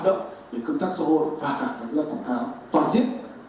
về cơ tác xã hội và các loại quảng cáo toàn diễn